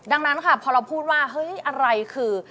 ดังนั้นค่ะพอเราพูดว่าเฮ้ยอะไรคือ